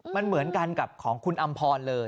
มันเหมือนกันกับของคุณอำพรเลย